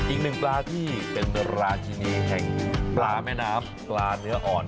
อีกหนึ่งปลาที่เป็นราชินีแห่งปลาแม่น้ำปลาเนื้ออ่อน